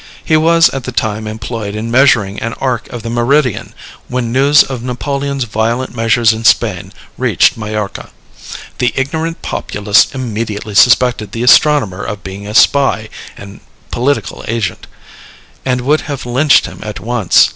He was at the time employed in measuring an arc of the meridian, when news of Napoleon's violent measures in Spain reached Majorca. The ignorant populace immediately suspected the astronomer of being a spy and political agent, and would have lynched him at once.